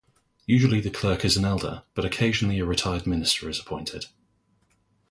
Usually the clerk is an elder, but occasionally a retired minister is appointed.